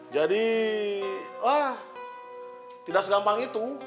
jadi wah tidak segampang itu